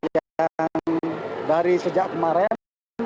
yang dari sejak kemarin